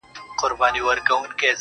د نشه غوندې په لاره ځي زنګېږي